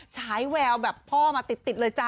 ฉายแววแบบพ่อมาติดเลยจ้